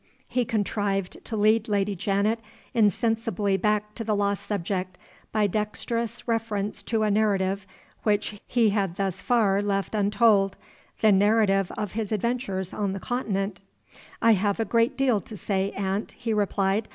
He contrived to lead Lady Janet insensibly back to the lost subject by dexterous reference to a narrative which he had thus far left untold the narrative of his adventures on the Continent. "I have a great deal to say, aunt," he replied.